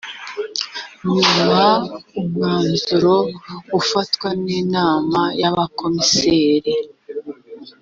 nyuma umwanzuro ufatwa n’inama y’abakomiseri .